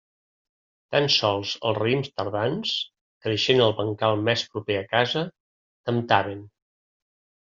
Tan sols els raïms tardans, creixent al bancal més proper a casa, temptaven.